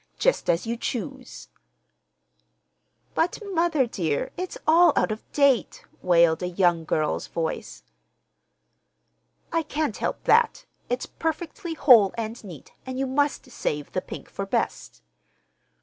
Just as you choose." "But, mother, dear, it's all out of date," wailed a young girl's voice. "I can't help that. It's perfectly whole and neat, and you must save the pink for best."